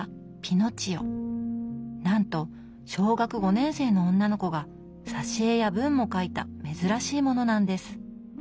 なんと小学５年生の女の子が挿絵や文も書いた珍しいものなんです。